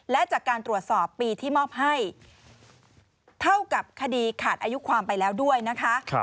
และจากการตรวจสอบปีที่มอบให้เท่ากับคดีขาดอายุความไปแล้วด้วยนะคะ